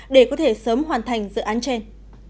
để có thể sớm hoàn thành dự án trên